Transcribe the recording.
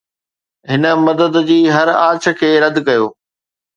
هن مدد جي هر آڇ کي رد ڪيو